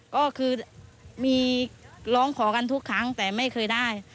ก็คือมีร้องขอกันทุกครั้งแต่ไม่เคยได้